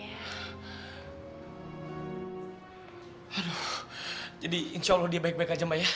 aduh jadi insya allah dia baik baik aja mbak ya